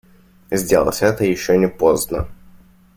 Сделать это еще не поздно.